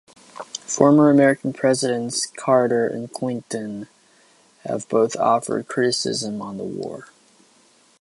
Former American Presidents Carter and Clinton have both offered criticism on the war.